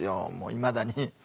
いまだに。